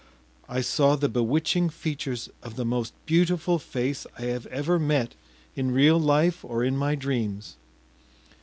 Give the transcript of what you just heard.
I saw the bewitching features of the most beautiful face I have ever met in real life or in my dreams.